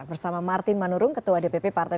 bersama martin manurung ketua dpp partai